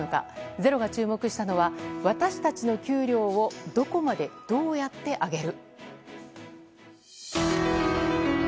「ｚｅｒｏ」が注目したのは私たちの給料をどこまで、どうやって上げる。